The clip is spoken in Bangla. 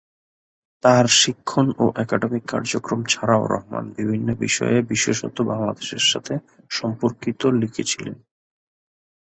তার শিক্ষণ ও একাডেমিক কার্যক্রম ছাড়াও রহমান বিভিন্ন বিষয়ে বিশেষত বাংলাদেশের সাথে সম্পর্কিত লিখেছিলেন।